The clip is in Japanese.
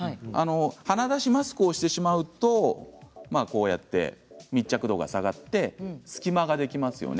鼻だしマスクをしてしまうと密着度が下がって隙間ができますよね。